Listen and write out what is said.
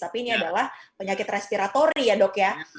tapi ini adalah penyakit respiratori ya dok ya